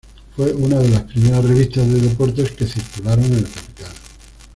Fue una de las primera revistas de deportes que circularon en la capital.